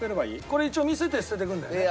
これ一応見せて捨てていくんだよね？